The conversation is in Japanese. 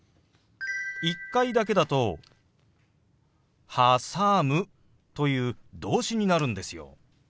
１回だけだと「はさむ」という動詞になるんですよ。